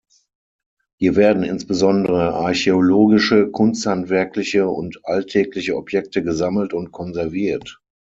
Hier werden insbesondere archäologische, kunsthandwerkliche und alltägliche Objekte gesammelt und konserviert.